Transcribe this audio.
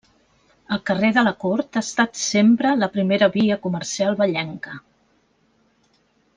El carrer de la Cort ha estat sempre la primera via comercial vallenca.